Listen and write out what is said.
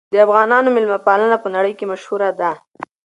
د افغانانو مېلمه پالنه په نړۍ کې مشهوره ده.